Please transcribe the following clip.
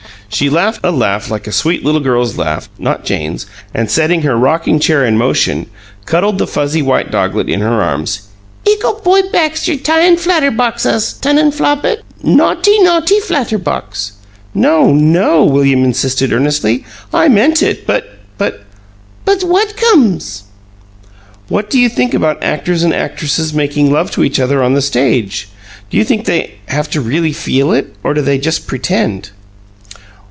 She laughed a laugh like a sweet little girl's laugh (not Jane's) and, setting her rocking chair in motion, cuddled the fuzzy white doglet in her arms. "Ickle boy Baxter t'yin' flatterbox us, tunnin' Flopit! No'ty, no'ty flatterbox!" "No, no!" William insisted, earnestly. "I mean it. But but " "But whatcums?" "What do you think about actors and actresses making love to each other on the stage? Do you think they have to really feel it, or do they just pretend?"